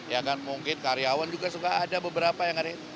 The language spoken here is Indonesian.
ya kan mungkin karyawan juga suka ada beberapa yang ada